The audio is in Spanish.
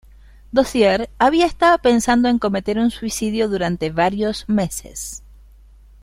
Dozier había estado pensando en cometer un suicidio durante varios meses.